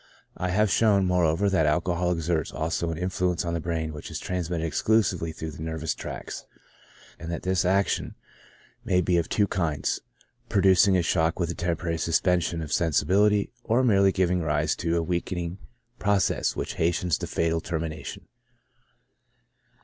I have shown, more over, that alcohol exerts also an influence on the brain, which is transmitted exclusively through the nervous tracts, and that this action may be of two kinds : producing a shock with a temporary suspension of sensibility, or merely giving rise to a weakening process, which hastens the fatal termination.